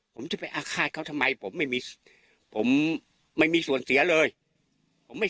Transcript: ผมจะไปอาฆาตเขาทำไม